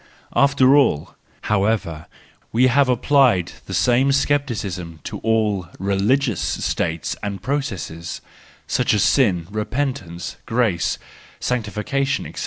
After all, however, we have applied the same scepticism to all religious states and processes, such as sin, repentance, grace, sanctification, &c.